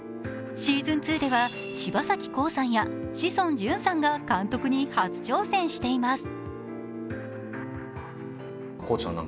シーズン２では柴咲コウさんや志尊淳さんが監督に初挑戦しています。